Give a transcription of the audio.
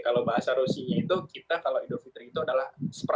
kalau bahasa rusinya itu kita kalau idul fitri itu adalah